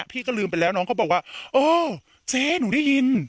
พี่ก็ลืมไปแล้วน้องเขาบอกว่าโอ้เจ๊หนูได้ยิน